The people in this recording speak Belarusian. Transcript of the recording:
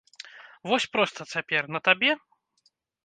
Вось проста цяпер, на табе?